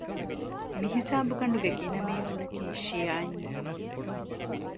މިހިސާބުގަނޑުގެ ގިނަ މީހުންނަކީ ޝިޔަޢީން